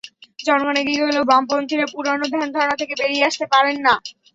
জনগণ এগিয়ে গেলেও বামপন্থীরা পুরোনো ধ্যানধারণা থেকে বেরিয়ে আসতে পারেন না।